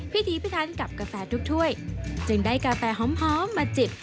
พิธีพิทันกับกาแฟทุกถ้วยจึงได้กาแฟหอมมาจิบ